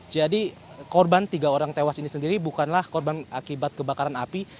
jadi korban tiga orang tewas ini sendiri bukanlah korban akibat kebakaran api